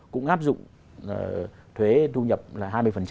cũng áp dụng thuế thu nhập là hai mươi